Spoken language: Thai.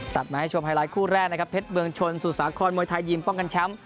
มาให้ชมไฮไลท์คู่แรกนะครับเพชรเมืองชนสู่สาครมวยไทยยิมป้องกันแชมป์